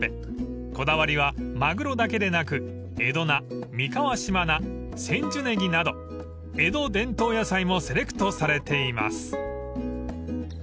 ［こだわりはマグロだけでなく江戸菜三河島菜千寿ねぎなど江戸伝統野菜もセレクトされています］